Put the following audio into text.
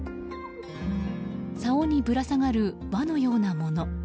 さおにぶら下がる輪のようなもの。